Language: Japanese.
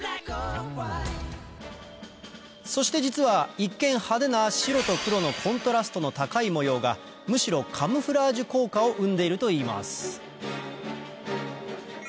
そして実は一見派手な白と黒のコントラストの高い模様がむしろカムフラージュ効果を生んでいるといいます